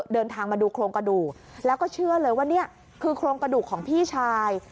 เดินทางมาดูโครงกระดูกแล้วก็เชื่อเลยว่านี่คือโครงกระดูกของพี่ชาย